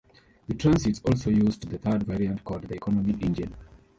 The Transits also used the third variant called the "Economy" engine.